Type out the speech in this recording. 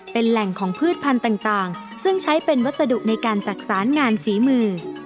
เป็นแหล่งของพืชพันธุ์ต่างซึ่งใช้เป็นวัสดุในการจักษานงานฝีมือ